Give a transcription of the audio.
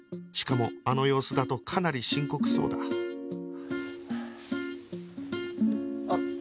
しかもあの様子だとかなり深刻そうだはあ。